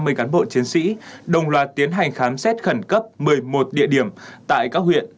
trên hai trăm năm mươi cán bộ chiến sĩ đồng loạt tiến hành khám xét khẩn cấp một mươi một địa điểm tại các huyện